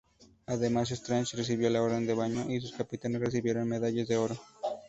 Además, Strachan recibió la Orden del Baño y sus capitanes recibieron medallas de oro.